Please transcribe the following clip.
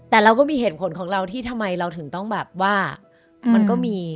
แต่เราก็มีเหตุผลของเราที่ทำไมเราถึงต้องแบบว่ามันก็มี